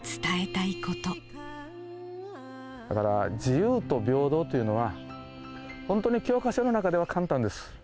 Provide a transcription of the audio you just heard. だから、自由と平等というのは、本当に教科書の中では簡単です。